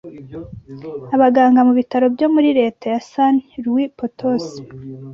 abaganga mu bitaro byo muri Leta ya Sani Luwi Potosí